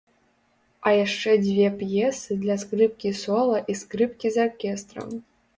А яшчэ дзве п'есы для скрыпкі-сола і скрыпкі з аркестрам.